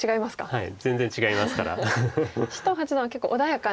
はい。